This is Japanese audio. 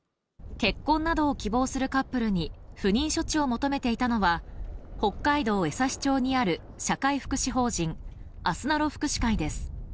結婚などを希望するカップルに不妊処置を求めていたのは、北海道江差町にある社会福祉法人あすなろ福祉会です。